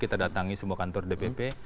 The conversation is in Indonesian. kita datangi semua kantor dpp